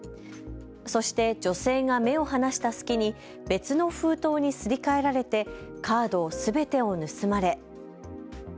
そして女性が目を離した隙に別の封筒にすり替えられてカードすべてを盗まれ。